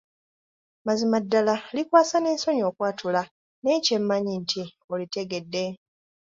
Mazima ddala likwasa n'ensonyi okwatula naye kyemmanyi nti olitegedde.